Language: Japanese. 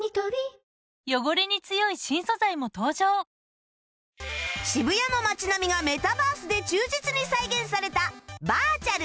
ニトリ渋谷の街並みがメタバースで忠実に再現されたバーチャル